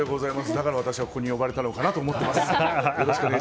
だから私はここに呼ばれたのかなと思っています。